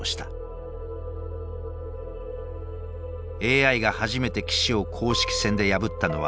ＡＩが初めて棋士を公式戦で破ったのは２０１３年。